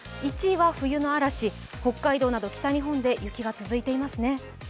１位は冬の嵐、北海道など北日本で雪が続いていますね。